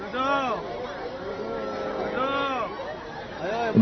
ayo yang baik baik